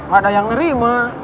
ga ada yang nerima